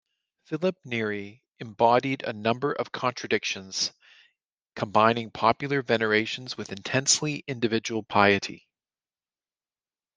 Philip Neri embodied a number of contradictions, combining popular venerations with intensely individual piety.